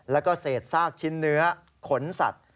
แล้วก็เศษซากชิ้นเนื้อขนสัตว์